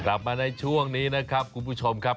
กลับมาในช่วงนี้นะครับคุณผู้ชมครับ